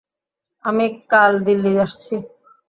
আমি কাল দিল্লি আসছি।